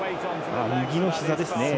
右のひざですね。